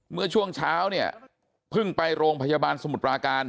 เมื่อช่วงเช้าเนี่ยเพิ่งไปโรงพยาบาลสมุทรปราการ